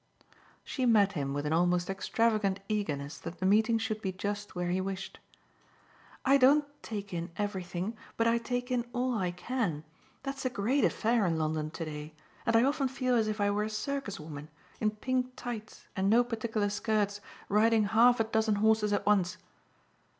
She met him with an almost extravagant eagerness that the meeting should be just where he wished. "I don't take in everything, but I take in all I can. That's a great affair in London to day, and I often feel as if I were a circus woman, in pink tights and no particular skirts, riding half a dozen horses at once.